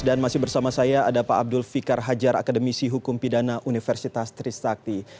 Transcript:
dan masih bersama saya ada pak abdul fikar hajar akademisi hukum pidana universitas tristana